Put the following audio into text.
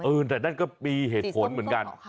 นั่นก็มีเหตุผลเหมือนกัน